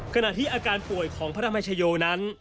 ขณะที่อาการป่วยของพระธรรมชโยนั้น